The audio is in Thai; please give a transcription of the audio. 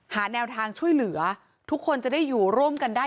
หาแนวทางช่วยเหลือทุกคนจะได้อยู่ร่วมกันได้